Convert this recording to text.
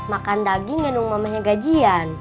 makan daging enggak nunggu mamanya gajian